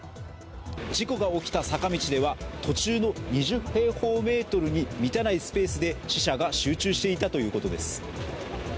事故が起きた坂道では、２０平方メートルに満たないスペースで死者が集中していたということです。